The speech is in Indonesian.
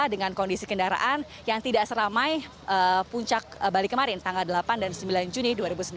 dengan kondisi kendaraan yang tidak seramai puncak balik kemarin tanggal delapan dan sembilan juni dua ribu sembilan belas